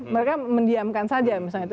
mereka mendiamkan saja misalnya